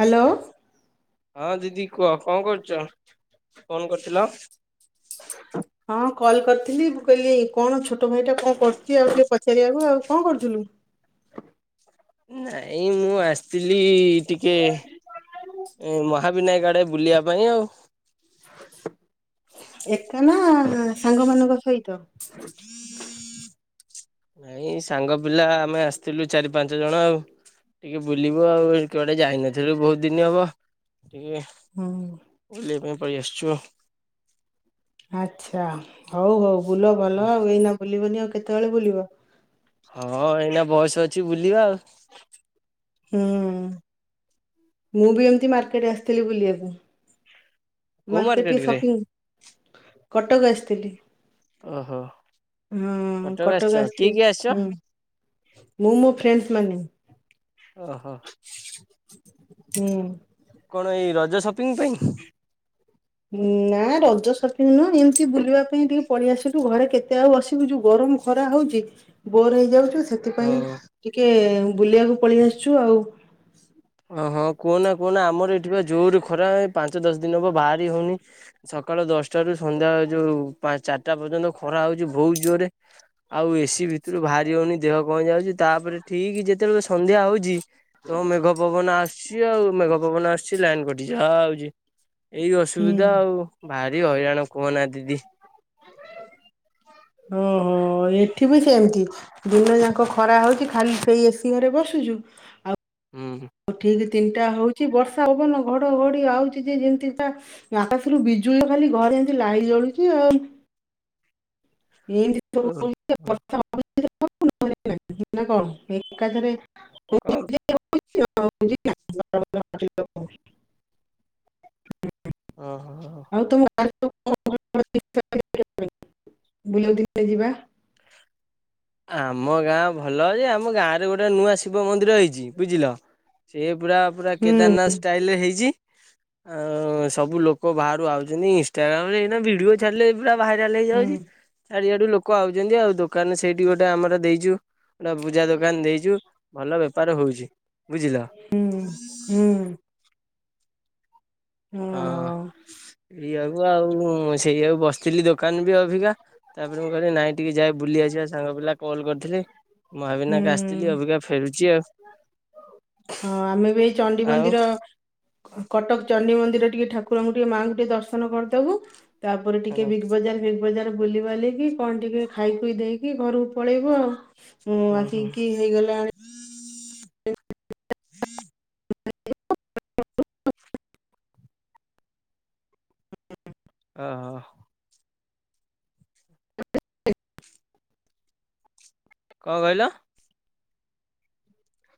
Hello. ହଁ ଦିଦି କୁହ। କଣ କରୁଛ? କଣ କରୁଥିଲ? ହଁ କଲ କରିଥିଲି ମୁଁ କହିଲି କଣ ଛୋଟ ଭାଇ ଟା କଣ କରୁଛି, ଆଉ ଟିକେ ପଚାରିବାକୁ ଆଉ କଣ କରୁଥିଲୁ? ନାଇଁ ମୁଁ ଆସିଥିଲି ଟିକେ ମହାବିନାୟକ ଟେ [unintelligible] ବୁଲିବା ପାଇଁ ଆଉ। ଏକ [unintelligible] ନା ସାଙ୍ଗ ମାନଙ୍କ ସହିତ। ନାଇଁ ସାଙ୍ଗ ପିଲା ଆମେ ଆସିଥିଲୁ ଚାରି ପାଞ୍ଚ ଜଣ ଆଉ ଟିକେ ବୁଲିବୁ ଆଉ କୁଆଡେ ଯାଇ ନଥିଲୁ ବହୁତ ଦିନ ହବ। ଟିକେ ହୁଁ ବୁଲିବା ପାଇଁ। କରି ଆସଛୁ ଆଉ। ଆଚ୍ଛା ହଉ ହଉ। ବୁଲ ଭଲ ଆଉ ଏଇନା ବୁଲିବନି ଆଉ କେତେବେଳେ ବୁଲିବ। ହଁ ଏଇନା ବୟସ ଅଛି ବୁଲିବା ଆଉ। ହୁଁ। ମୁଁ ବି ଏମତି ମାର୍କେଟରେ ଆସିଥିଲି ବୁଲିବାକୁ। କୋଉ ମାର୍କେଟ କି କିରେ? ଶପିଂ। କଟକ ଆସିଥିଲି। ଓହୋ ହଁ ଆସିଛ କଟକ କିଏ ଆସିଛି କିଏ ଆସିଛ ହୁଁ ମୁଁ ମୋ ଫ୍ରେଣ୍ଡସ ମାନେ। ଓହୋ। ହୁଁ। କଣ ଏଇ ରଜ ସପିଂ ପାଇଁ। ନା ରଜ ସପିଙ୍ଗ ନୁହଁ ଏମିତି ବୁଲିବା ପାଇଁ ଟିକେ ପଳେଇ ଆସଛୁ ଘରେ କେତେ ଆଉ ବସିବୁ ଛୁ ଗରମ ଖରା ହଉଛି ବୋର ହେଇଯାଉଛୁ ସେଥିପାଇଁ ହଉ ଟିକେ ବୁଲିବାକୁ ପଳେଇ ଆସିଛୁ ଆଉ। ହଁ ହଁ କୁହନା କୁହନା ଆମର ଏଠି ବା ଜୋର ଖରା ପାଞ୍ଚ ଦଶ ଦିନ ହବ ବାହାରି ହଉନି ସକାଳ ଦଶଟାରୁ ସନ୍ଧ୍ୟା ଯୋଉ ପାଞ୍ଚ ଚାର ଚାରଟା ପର୍ଯ୍ୟନ୍ତ ଖରା ହଉଛି ବହୁତ ଜୋରରେ ଆଉ ଏ ସି ଭିତରୁ ବାହାରି ହଉନି ଦେହ କମ ଯାଉଛି ତାପରେ ଠିକ ଯେତେବେଳ ସ ସନ୍ଧ୍ୟା ହଉଛି ତମେ ମେଘ ପବନ ଆସିୁଛି ଆଉ ମେଘ ପବନ ଆସିଛି ଲାଇନ କଟ ଯାହା ହୋଉଚି ଏଇ ହୁଁ ଅସୁବିଧା ଆଉ ଭାରି ହଇରାଣ କୁହନା ଦିଦି। ଏଠିବି ସେମତି ଦିନ ଯାକ ଖରା ହୋଉଚି ଖାଲି ସେଇ ଏସି ଘରେ ପସୁଚୁ ଆଉ ଉଁ ହୁଁ। ଠିକ ତିନିଟା ହୋଉଚି ବର୍ଷା ପବନ ଘଡଘଡି ଆଉଚି ଯେ ଯେମତି ତା ଆକାଶରୁ ବିଜୁଳି ଖାଲି ଘରେ ଏମିତି ଲାଇଟ୍ ଜଳୁଚି ଆଉ। ଏମତି ଓ ସବୁ [inaudible] ବର୍ଷା। [inaudible] [inaudible] ନା କଣ ଏକାଥରେ। କଣ [inaudible] [inaudible] ଅହ ହ ହ। [inaudible] ବୁଲାଉ ଦେଥିଲେ ଯିବା। ଆମ ଗାଁ ଭଲ ଯେ ଆମ ଗାଁରେ ଗୋଟେ ନୂଆ ଶିବ ମନ୍ଦିର ହେଇଚି ବୁଝିଲ ସେ ପୁରା ପୁରା ହୁଁ କେଦାରନାଥ ଷ୍ଟାଇଲରେ ହେଇଚି ଆଉ ସବୁ ଲୋକ ବାହାରୁ ଆଉଚନ୍ତି ଇନଷ୍ଟାଗ୍ରାମରେ ଏଇ ଭିଡିଓ ଛାଡିଲି ପୁରା ଭାଇରାଲ ହୁଁ ହେଇଯାଉଚି ଚାରିଆଡୁ ଲୋକ ଆଉଚନ୍ତି ଆଉ ଦୋକାନରେ ସେ ସେଇଠି ଗୋଟେ ଆମର ଦେଇଚୁ ଗୋଟା ପୂଜା ଦୋକାନ ଦେଇଚୁ ଭଲ ବେପାର ହୋଉଚୁ ବୁଝିଲ । ହୁଁ ହୁଁ। ହୁଁ। ହଁ ଏଇଆକୁ ଆଉ ସେଇଆକୁ ବସ ଥିଲି ଦୋକାନ ବି ଅଭିିକା। ତାପରେ ମୁଁ କହିଲି ନାଇଁ ଟିକେ ଯାଏ ବୁଲିଆସିବା ସାଙ୍ଗ ପିଲା କଲ୍ କରିଥିଲି। ହଁ ମହାବିନାୟକ ଆସଥିଲି ଅବିକା ଫେରୁଚି ଆଉ। ହଁ ଆମେ ବି ଏଇ ଚଣ୍ଡି ମନ୍ଦିର କଟକ ଚଣ୍ଡି ମନ୍ଦିର ଟିକେ ଠାକୁରଙ୍କୁ ଟିକେ ମାଆଙ୍କୁ ଟିକେ ଦର୍ଶନ କରିଦୋବୁ। ତାପରେ ଟିକେ ଆଉ ବିଗ୍ ବଜାର ଫିଗ୍ ବଜାର ବୁଲିିବାଲିିକି କଣ ଟିକେ ଖାଇପିଇ ଦେଇକି ଘରକୁ ପଳେଇବ। ଉଉ ହୁଁ ଆସିକି ହେଇଗଲାଣି ହୁଁ ହୁଁ ଆ ହୋଉ। ହ କଣ କହିଲ?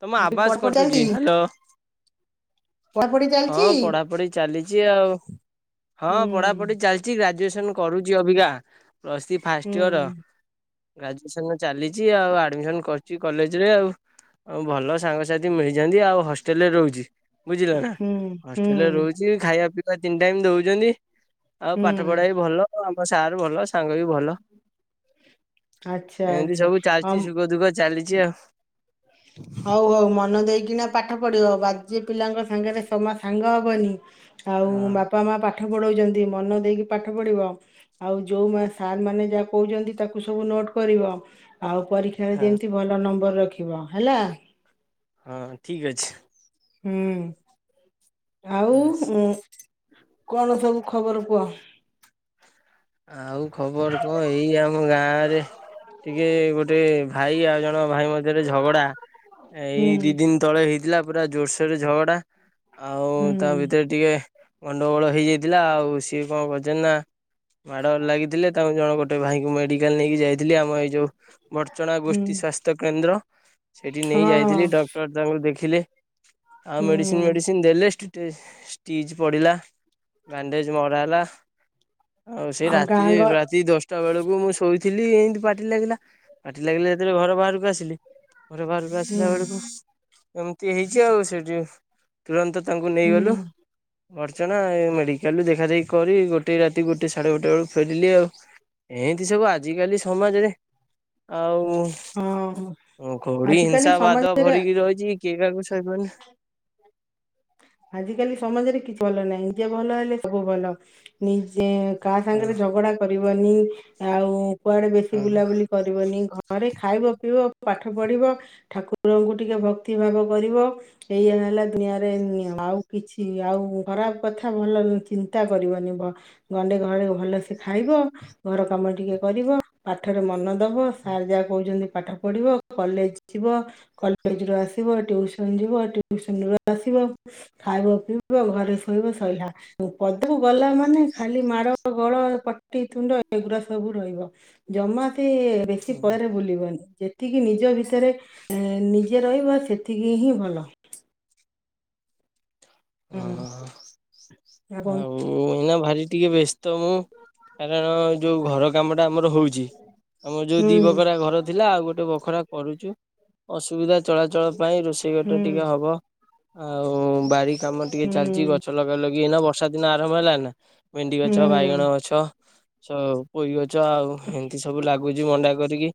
ତମ ମୁଁ କହିଲି ଆବାଜ ପଢାପଢି କଟୁଚି ଚାଲିଛି ହାଲୋ ପଢାପଢି ହଁ ଚାଲିଛି। ପଢାପଢି ଚାଲିଚି ଆଉ ହଁ ହୁଁ ପଢାପଢି ଚାଲିଚି ଗ୍ରା ଜୁଏସନ କରୁଛି ଅବିକା। Plus three first year. ହୁଁ ଗ୍ରାଜୁଏସନ୍ ଚାଲିଛି ଆଉ ଆଡମିସନ କରି ଚି କଲେଜରେ ଆଉ। ଆଉ ଭଲ ସାଙ୍ଗସାଥି ମିଳିଯାନ୍ତି ଆଉ ହଷ୍ଟେଲରେ ରହୁଛି । ବୁଝିଲ ନା। ହୁଁ ହଷ୍ଟେଲରେ ହୁଁ। ରହୁଛି ଖାଇବା ପିଇ ବା ତିନି ଟାଇମ ଦଉଚନ୍ତି। ଆଉ ପାଠ ହୁଁ ପଢା ବି ଭଲ। ମୋର ସାର୍ ଭଲ ସାଙ୍ଗ ବି ଭଲ। ଆଚ୍ଛା ଏନ୍ତି ଆଚ୍ଛା ସବୁ ହଁ ଚାଲିଛି ସୁଖ ଦୁଃଖ ଚାଲିଛି ଆଉ। ହଉ ହଉ। ମନ ଦେଇକିନା ପାଠ ପଢିବ। ବାଜେ ପିଲାଙ୍କ ସାଙ୍ଗରେ ଜମା ସାଙ୍ଗ ହବନି। ଆଉ ହଁ ବାପା ମା ପାଖ ପାଠ ପଢଉଛନ୍ତି ମନ ଦେଇକି ପାଠ ପଢିବ। ଆଉ ଯୋଉ ସାର୍ ମାନେ ଯାହା କହୁଛନ୍ତି ତାକୁ ସବୁ ନୋଟ କରିବ। ଆଉ ପରୀକ୍ଷାରେ ହଁ ଯେମତି ଭଲ ନମ୍ବର ରଖି ବ ହେଲା। ହଁ ଠିକ ଅଛି। ହୁଁ। ଆଉ କଣ ସବୁ ଖବର କୁହ? ଆଉ ଖବର କଣ ଏଇ ଆମ ଗାଁରେ ଟିକେ ଗୋଟେ ଭାଇ ଆଉ ଜଣ ଙ୍କ ଭାଇ ମଧ୍ୟରେ ଝଗଡା ଏଇ ହୁଁ ଦି ଦିନ ତଳେ ହେଇଥିଲା ପୁରା ଜୋରସୋର ଝଗଡା। ଆଉ ହୁଁ ତା ଭିତରେ ଟିକେ ଗଣ୍ଡଗୋଳ ହେଇଯାଇଥିଲା ଆଉ ସିଏ କଣ କରିଚନ୍ତି ନା ମାଡ ଲାଗିଥିଲେ ତାଙ୍କୁ ଜଣକୁ ଗୋଟେ ଭାଇଙ୍କୁ ମେଡିକାଲ ନେଇକି ଯାଇ ଥିଲି ଆମ ଏଇ ଯୋଉ ବଡଚଣା ହୁଁ ଗୋଷ୍ଠୀ ସ୍ୱାସ୍ଥ୍ୟ କେନ୍ଦ୍ର। ସେଠିକି ନେଇ ହଁ ହଁ ଯାଇଥିଲି ଡକ୍ଟର ତାଙ୍କୁ ଦେଖି ଦେଖିଲେ। ଆଉ ମେଡିସିନ ହୁଁ ମେଡିସିନ ଦେଲେ। ଷ୍ଟିଜ ପଡିଲା ବ୍ୟାଣ୍ଡେଜ ମରା ହେଲା। ଆଉ ସେଇ ଗାଁ ରାତିରେ ଗ ରାତି ଦଶଟା ବେଳକୁ ମୁଁ ଶୋଇଥି ଥିଲି ଏମିତି ପାଟି ଲାଗିଲା ପାଟି ଲାଗିଲା ଯେତେବେଳେ ଘର ବାହାରକୁ ଆସିଲ ଘର ବାହାରକୁ ହୁଁ ଆସିଲା ବେଳକୁ ଏମିତି ହେଇଛି ଆଉ ସେଠି ତୁରନ୍ତ ତାଙ୍କୁ ହୁଁ ନେଇଗଲୁ ଅର୍ଚ୍ଚନା ମେଡିକାଲ ଦେଖାଦଖି କରି ଗୋଟେ ଗୋଟେ ସାଢେ ଗୋଟେ ବେଳୁ ଫେରିଲି ଆଉ ଏମିତି ସବୁ ଆଜିକାଲି ସମାଜରେ ହଁ ଆଉ ଘଡି ଆଜିକାଲି ହିଂସା ବାଦ ସମାଜରେ ଭରିକି ରହିଛି। କେହି କାହାକୁ ସେବନ ଆଜିକାଲି ସମାଜରେ କିଛି ଭଲ ନାହିଁ ଇଡିଆ ଭଲ ହେଲେ ସବୁ ଭଲ ନିଜେ କାହା ହଁ ସାଙ୍ଗରେ ଝଗଡା କରି ପିଇବନି ଆଉ କୁଆଡେ ବେଶୀ ହଁ। ବୁଲାବୁଲି କରିବନି ଘରେ ଖାଇବ ପିଇବ ପାଠ ପଢିବ ଠାକୁରଙ୍କୁ ଟିକେ ଭକ୍ତି ଭାବ କରିବ ଏଇଆା ହେଲା ଦୁନିଆରେ ନିୟମ ଆଉ କିଛି ଆଉ ଖରାପ କଥା ଭଲ ଚିନ୍ତା କରିବନି ଗଣ୍ଡେ ଘରେ ଭଲସେ ଖାଇବ ଘର କାମ ଟିକେ କରିବ ପାଠରେ ମନ ଦବ ସାର୍ ଯାହା କହୁଛନ୍ତି ପାଠ ପଢ଼ିବ କଲେଜ ଯିବ କଲେଜରୁୁ ଆସିବ ଟିଉସନ ଯିବ ଟିଉସନ ରୁ ଆସିବ। ଖାଇବ ପିଇବ ଘରେ ଶୋଇବ ଶୋଇଲା ପଦକୁ ଗଲା ମାନେ ଖାଲି ମାଡ଼ ଗଳ ପଟି ତୁଣ୍ଡ ଏଗୁଡା ସବୁ ରହିବ ଜମା। ସେ ବେଶୀ ହଁ ପରେ ବୁଲିବନି ଯେତିକି ନିଜ ଭିତରେ ନିଜେ ରହିବ ସେତିକି ହିଁ ଭଲ। ଓ ହୁଁ ଆଉ ଏଇନା ଭାରି ଆ ଟିକେ ବ ତ ମୁଁ କାରଣ ଯୋଉଁ ଘର କାମଟା ଆମର ହଉଛି ଆମର ଯୋଉ ଦିଇ ହୁଁ ବଖରା ଘର ଥିଲା ଆଉ ଗୋଟେ ବଖରା କରୁଛୁ। ଅସୁବିଧା ଚଳାଚଳ ପାଇଁ ରୋଷେଇ ଘଟର ହୁଁ ଟା ଟିକେ ହବ ଆଉ ବାରି କାମ ଟିକେ ଚାଲିଚି ହୁଁ ଗଛ ଲଗା ଲଗି ଏଇନା ବର୍ଷା ଦିନ ଆରମ୍ଭ ହେଲା ନା ଭେଣ୍ଡି ହୁଁ ଗଛ ବାଇଗଣ ଗଛ ସ ପୋଇ ଗଛ ଆଉ ଏମତି ସବୁ ଲାଗୁ ମଣ୍ଡା କରିକି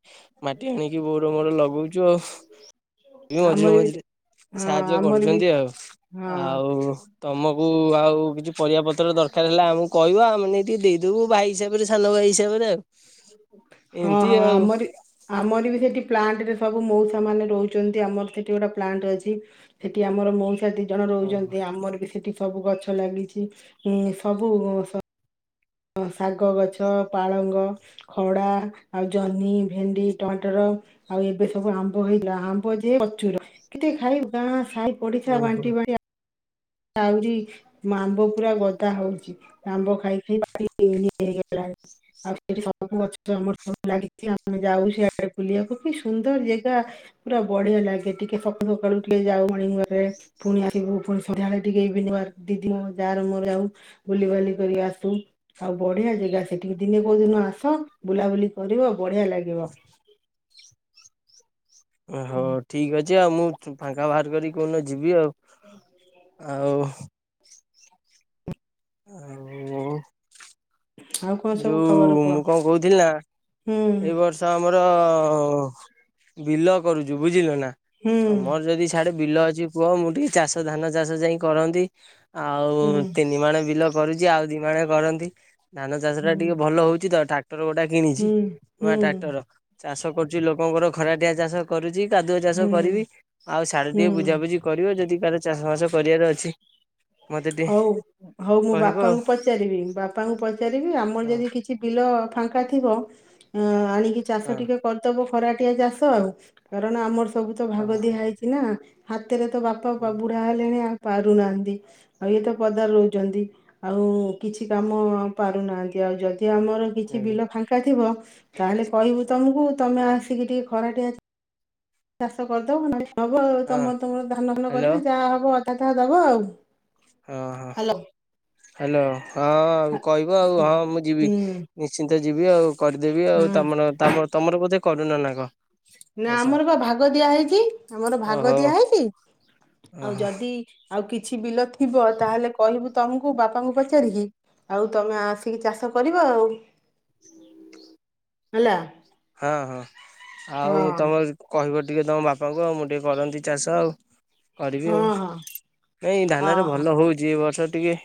ମାଟି ଆଣିକି ବୋଉ ର ମୋର ଲଗଉଛୁ ଆଉ ମଝିରେ ଆମର ବି ମଝିରେ ସେ- ହଁ ସାହାଯ୍ୟ ଆମର ବି କରୁଛନ୍ତି ଆଉ। ହଁ ଆଉ ତମ? ହ ଆଉ କିଛି ପରିବା ପତ୍ର ଦରକାର ହେଲା ଆମକୁ କହିବ ଆମେ ନେଇ ଟିକେ ଦେଇଦବୁ ଭାଇ ହିସାବରେ ସାନ ଭାଇ ହିସାବରେ ଆଉ ହଁ ଏମିତି ହଁ ଆଉ ଆମ ଆମର ବି ସେଠି ପ୍ଲାଣ୍ଟରେ ସବୁ ମଉସା ମାନ ରହୁଛନ୍ତି ଆମର ସେଠି ଗୋଟେ ପ୍ଲାଣ୍ଟ ଅଛି ସେଠି ଆମର ମଉସା ଦି ଜଣ ରହୁଛନ୍ତି ଆମର ବି ସେଠି ସବୁ ଗଛ ଲାଗିଛି। ଏ-ଏ ସବୁ ସ ଶାଗ ଗଛ, ପାଳଙ୍ଗ, ଖଡା, ଆଉ ଜହ୍ନି, ଭେଣ୍ଡି, ଟମାଟର ଆଉ ଏବେ ସବୁ ଆମ୍ବ ହୋଇଥିଲା। ଆମ୍ବ ଯେ ପ୍ରଚୁର କେତେ ଖାଇବୁ ଗାଁ ସାଇ ପଡିସା ଓହୋ ବାଣ୍ଟି ବା ଆହୁରି ଆମ୍ବ ପୁରା ଗଦା ହଉଛି ଆମ୍ବ ଖାଇଖାଇ ଇ ହେଇଗଲାଣି। ଆଉ ସେଠି ସବୁ ଗଛ ଆମର ସୁ ଲାଗ ଆମେ ଯାଉ ସେଆଡେ ବୁଲିବାକୁ କି ସୁନ୍ଦର ଜାଗା ପୁରା ବଢିଆ ଲାଗେ। ଟିକେ ସକାଳୁ ସକାଳୁ ଟିକେ ଯାଉ ମଣିଙ୍ଗରେ ୱାକରେ ପୁଣି ଆସିବୁ ସଧ୍ୟାଳେ ଟିକେ ଇବେନିଙ୍ଗ ୱାକ ଦିଦି ମୋ ଯା ର ମୋର ଯାଉ ବୁଲିିବାଲି କରିକି ଆସୁ। ଆଉ ବଢିଆ ଜାଗା ସେଠିକି ଦିନେ କୋଉ ଦିନ ଆସ ବୁଲାବୁଲି କରିବ ବଢିଆ ଲାଗିବ। ହଉ ଠିକ୍ ଅଛି ଆଉ ମୁଁ ଫାଙ୍କା ବାହାର କରିକି କୋଉ ଦିନ ଯିବି ଆଉ। ଆଉ ଆଉ-ଉ-ଉ ଆଉ କଣ ସବୁ ଖବର ଯୋଉ କୁହ ମୁଁ କଣ କହୁଥିଲି ନା ହୁଁ ଏଇ ବର୍ଷ ଆମର ର-ର-ର-ର ବିଲ କରୁଛୁ ବୁଝିଲ ନା ହୁଁ ତମର ଯଦି ସିଆଡେ ବିଲ ଅଛି କୁହ ମୁଁ ଟିକେ ଚାଷ ଧାନ ଚାଷ ଯାଇ କରନ୍ତି। ହୁଁ ଆଉ ତିନି ମାଣେ ବିଲ ଆ ଦିମାଣେ କରନ୍ତି। ଧାନ ସେଟା ହୁଁ। ଟିକେ ଭଲ ହଉଛି। ତା ଟ୍ରାକ୍ଟର ଗୋଟା କିଣିଛି। ହୁଁ ନୂଆ ହୁଁ ଟ୍ରାକ୍ଟର ଚାଷ କରୁଛି ଲୋକଙ୍କର ଖରାଟିଆ ଚାଷ କରୁଛି। କାଦୁଅ ଚାଷ ହୁଁ। କରିବି ଆଉ ସାଡେ ଟିକେ ହୁଁ ବୁଝାବୁଝି କରିବ ଯଦି ବ ଚାଷ ବାସ କରିବାର ଅଛି। ମତେ ଟିକେ ହଉ ହଉ ମୁଁ କହିବ ଆଉ। ବାପାଙ୍କୁ ପଚାରିବି, ବାପାଙ୍କୁ ପଚାରିବି ଆମ ଆମର ହଁ ଯଦି କିଛି ବିଲ ଅ ଫାଙ୍କା ଥିବ ଅ-ଅ-ଅ ଆଣି ଚାଷ ହଁ ଟିକେ କରିଦବ ଖରାଟିଆ ଚାଷ କାରଣ ଆମର ସବୁ ତ ହଁ ଭାଗ ଦିଆ ହେଇଛି ନା ହାତ୍ ଏତରେ ତୋ ବାପା ହଁ ପ ବୁଢା ହେଲେଣି ଆଉ ପାରୁନାହାନ୍ତି ଆଉ ଇଏ ତ ପଦାରେ ରହୁଛନ୍ତି। ଆଉ-ଉ-ଉ-ଉ କିଛି କାମ ପାରୁନାହାନ୍ତି ଆଉ ଯଦି ଇଏ ଆମର କିଛି ହଁ ବିଲ ଫାଙ୍କା ଥିବ ତାହେଲେ କହିବୁ ତମକୁ ତମେ ଆସିକି ଟିକେ ଖରାଟିଆ ଚାଷ କରିଦଉ ହେବ ଆ ହଁ ତମ ତୁମର ଧାନ ଫାନ ହ୍ୟାଲୋ କରିବେ ଯାହା ହେବ ଖା ଟ ଦବା ଆଉ । ହଁ ହଁ । ହ୍ୟାଲୋ । ହଁ ଆଉ କହିବ ଆଉ ହଁ ମୁଁ ଯିବି ହୁଁ ନିଶ୍ଚିନ୍ତ ଯିବି ଆଉ କରିଦେବି ହୁଁ ଆଉ ତମର ତମର ବୋଧେ କରୁନ ନା କ ନା ଆମର ବା ଭାଗ ଦିଆ ହେଇଛି ଆମର ଭାଗ ଓହୋ ଦିଆ ହେଇଛି ଓହୋ ଆଉ ଯଦି ଆଉ କିଛି ବିଲ ଥିବ ତାହେଲେ କହିବୁ ତମକୁ ବାପାଙ୍କୁ ପଚାରିକି ଆଉ ତମେ ଆସିକି ଚାଷ କରିବ ଆଉ । [unintelligible] ହେଲା । ହଁ ହଁ । ଆଉ ମୁଁ ତମର କହିବ ଟିକେ ତମ ବାପାଙ୍କୁ ଆଉ ମୁଁ ଟିକେ କରନ୍ତି ଚାଷ ଆଉ । କରିବି ହଁ ଆଉ ହଁ। ନାଇଁ ଧାନଟା ଓହୋ ଭଲ ହଉଛି ଏ ବର୍ଷ ଗଟିକେ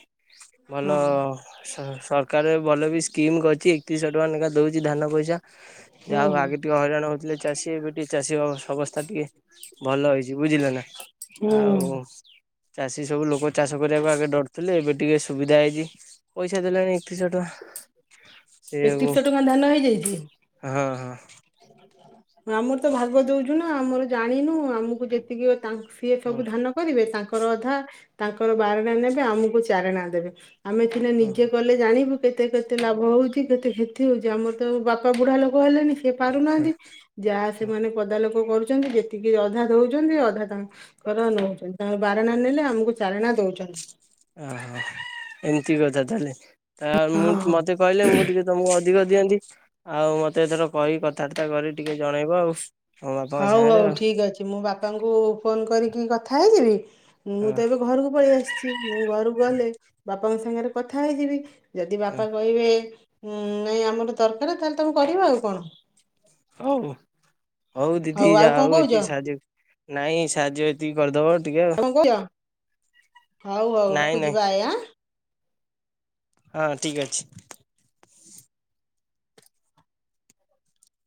ଭଲ ହଁ । ସରକାର ଭଲ ବି ସ୍କିମ୍ କରିଛି ଏକତିରିଶହ ଟଙ୍କା ଲେଙ୍କା ଦେଉଛି ଧାନ ପଇସା । ହୁଁ ଯାହାହଉ ଆଗେ ଟିକେ ହଇରାଣ ହଉଥିଲେ ଚାଷୀ ଏବେ ଟିକେ ଚାଷୀ ଅବସ୍ଥା ଟିକେ ଭଲ ହେଇଛି ବୁଝିଲ ନା ହୁଁ ଆଉ ଚାଷୀ ସବୁ ଲୋକ ଚାଷ କରିବାକୁ ଆଗେ ଡରୁଥିଲେ ଏବେ ଟିକେ ସୁବିଧା ହେଇଛି ପଇସା ଦେଲେଣି ଏକତିରିଶହ ଟଙ୍କା ସେଇଆକୁ ଏକତିରିଶହ ଟଙ୍କା ଧାନ ହେଇଯାଇଛି । ହଁ ହଁ । ଆମର ତ ଭାଗ ଦଉଛୁ ନା ଆମର ଜାଣିନୁ ଆମକୁ ଯେତିକି ତାଙ୍କ ସିଏ ଓ ସବୁ ଧାନ କରିବେ ତାଙ୍କ ତାଙ୍କର ଅଧା ତାଙ୍କର ବାରଣା ନେବେ ଆମକୁ ଚାରଣା ଦେବେ । ଆମେ ସିନେ ନିଜେ ଓହୋ କଲେ ଜାଣିବୁ । କେତେ କେତେ ଲାଭ ହଉଛି କେତେ କ୍ଷତି ହଉଛି ଆମର ତ ବାପା ବୁଢା ଲୋକ ହେଲେଣିି ସେ ପାରୁନାହାନ୍ତି ଯାହା ସେମାନେ ପଦା ଲୋକ ଲୋକ କରୁଛନ୍ତି ଯେତିକି ଅଧା ଦଉଛନ୍ତି ଅଧା ତାଙ୍କର ନଉଛନ୍ତି ତାଙ୍କ ବାରଣା ନେଲେ ଆମକୁ ଚାରଣା ଦଉଛନ୍ତି । ଓ ହୋ ଏମିତି କଥା ତା ହେଲେ । ଆ ମୁଁ ହଁ ମତେ କହିଲେ ମୁଁ ଟିକେ ତମକୁ ଅ ଅଧିକ ଦିଅନ୍ତି ଆଉ ମତେ ଏଥର କହି କଥାବାର୍ତ୍ତା କରି ଟିକେ ଜଣେଇବ ଆଉ । ହଉ ହଉ ଠିକ ଅଛି ମୁଁ ବାପାଙ୍କୁ ଫୋନ କରିକି କି କଥା ହେଇଯିବି। ମୁଁ ହଁ ତ ଏବେ ଘରକୁ ପଳେଇ ଆସିଛି ମୁଁ ଘରକୁ ଗଲେ ବାପା ବାପାଙ୍କ ସାଙ୍ଗରେ କଥା ହେଇଯିବି। ଯଦି ହଁ ବାପା କହିବେ ହୁଁ ନାଇଁ ଆମର ଦରକାର ତାହଲେ ତମେ କରିବ ଆଉ କଣ? ହଉ। ହଉ ଦିଦି ଆଉ ଯା କଣ ହଉ କହୁଛ ଏତିକି ସାହାଯ୍ୟ ନାଇଁ ସାହାଯ୍ୟ ଏତିକି କରିଦବ। ଆଉ କଣ କହୁଛ? ହଉ ହଉ ନାଇଁ ରଖୁଛିି ନାଇଁ ବାଏ ଆ। ହଁ ଠିକ ଅଛି।